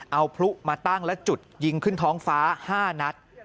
เอาพลุมาตั้งและจุดยิงขึ้นท้องฟ้า๕นัด